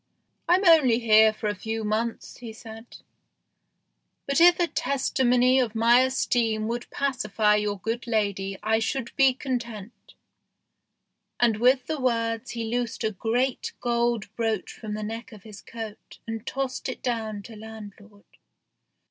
"I'm only here for a few months," he said ;" but if a testimony of my esteem would pacify your good lady I should be content," and with the words he loosed a great gold brooch from the neck of his coat and tossed it down to landlord.